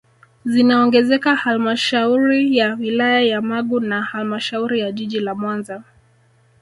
Zinaongezeka halmashauri ya wilaya ya Magu na halmashauri ya jiji la Mwanza